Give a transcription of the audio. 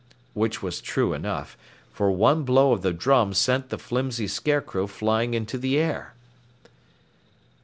Which was true enough, for one blow of the drum sent the flimsy Scarecrow flying into the air.